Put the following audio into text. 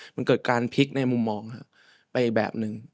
มันเกิดการพลิกในมุมมองไปแบบหนึ่ง